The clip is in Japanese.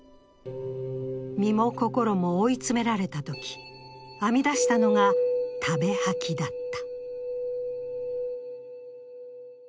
身も心も追い詰められたとき、編み出したのが食べ吐きだった。